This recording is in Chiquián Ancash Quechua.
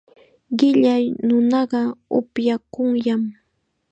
Qilla nunaqa upyakunllam.